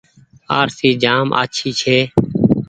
آرسي جآم آڇي ڇي۔